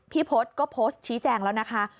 พศก็โพสต์ชี้แจงแล้วนะคะ